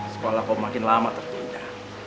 sekolah kau makin lama tertunda